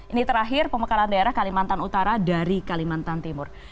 ini terakhir pemekalan daerah kalimantan utara dari kalimantan timur